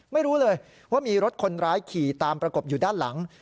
ไม่รู้เลยว่ามีรถคนร้ายขี่ตามประกบอยู่ด้านหลัง